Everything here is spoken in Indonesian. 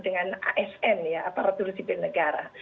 dengan asn ya aparatur sipil negara